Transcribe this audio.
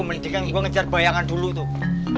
mendingan gue ngejar bayangan dulu tuh